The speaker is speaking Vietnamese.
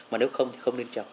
mà nếu không thì không nên trồng